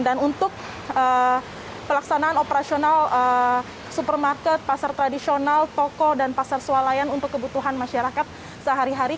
dan untuk pelaksanaan operasional supermarket pasar tradisional toko dan pasar sualayan untuk kebutuhan masyarakat sehari hari